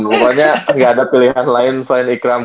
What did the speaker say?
pokoknya gak ada pilihan lain selain ikram